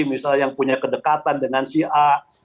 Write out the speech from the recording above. misalnya yang punya kedekatan dengan si a